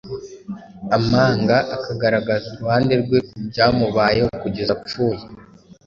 amanga akagaragaza uruhande rwe ku byamubayeho kugeza apfuye,